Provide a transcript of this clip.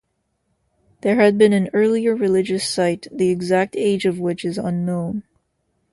There had been an earlier religious site the exact age of which is unknown.